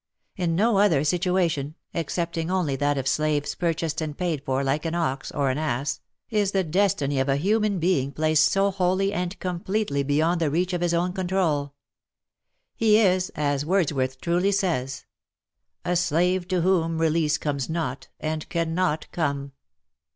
In no other situation, excepting only that of slaves purchased and paid for like an ox, or an ass, is the destiny of a human being placed so wholly and completely beyond the reach of his own control. He is, as Wordsworth truly says, " A slave to whom release comes not, And cannot come."